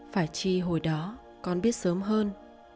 phải chi hồi đó con biết sớm hơn